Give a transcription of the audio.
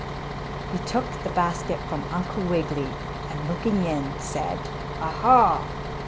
He took the basket from Uncle Wiggily, and looking in, said: "Ah, ha!